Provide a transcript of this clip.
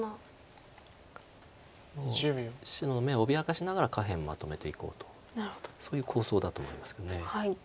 もう白の眼を脅かしながら下辺まとめていこうとそういう構想だと思いますけど。